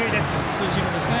ツーシームですね。